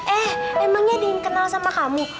eh emangnya dia ingin kenal sama kamu